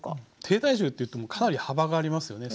低体重っていってもかなり幅がありますよね。